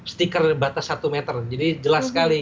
stiker batas satu meter jadi jelas sekali